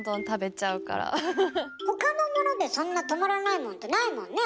他のものでそんな止まらないものってないもんね？